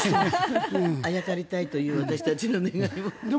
あやかりたい私たちの願いも。